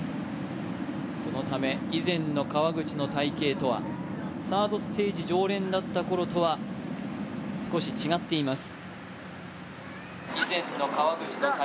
そのため、以前の川口の体形とはサードステージ常連だったころとは少し違っています。